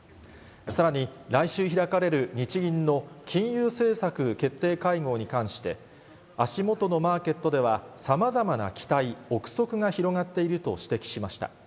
さらに、来週開かれる日銀の金融政策決定会合に関して、足元のマーケットではさまざまな期待、臆測が広がっていると指摘しました。